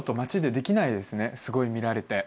すごい見られて。